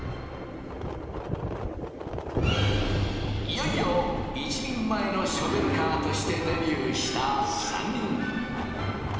いよいよ一人前のショベルカーとしてデビューした３人。